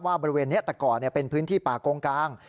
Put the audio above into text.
บริเวณนี้แต่ก่อนเป็นพื้นที่ป่ากงกลาง